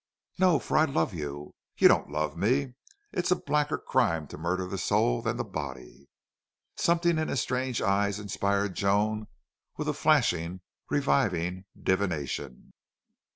"No. For I love you." "You don't love me. It's a blacker crime to murder the soul than the body." Something in his strange eyes inspired Joan with a flashing, reviving divination.